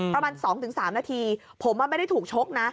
ประมาณ๒๓นาทีผมไม่ได้ถูกชกนะ